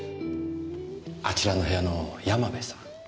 あちらの部屋の山部さん